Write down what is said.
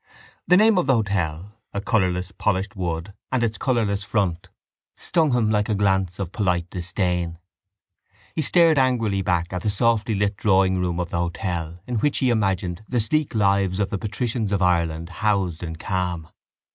The name of the hotel, a colourless polished wood, and its colourless front stung him like a glance of polite disdain. He stared angrily back at the softly lit drawingroom of the hotel in which he imagined the sleek lives of the patricians of Ireland housed in calm.